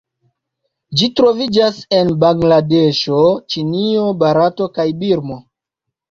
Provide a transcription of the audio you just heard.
Ĝi troviĝas en Bangladeŝo, Ĉinio, Barato, kaj Birmo.